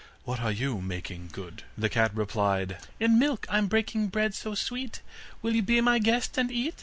What are you making good?' The cat replied: 'In milk I'm breaking bread so sweet, Will you be my guest, and eat?